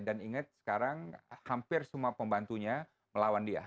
dan inget sekarang hampir semua pembantunya melawan dia